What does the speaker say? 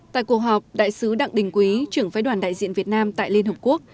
tại cuộc họp đại sứ đặng đình quý trưởng phái đoàn đại diện việt nam tại liên hợp quốc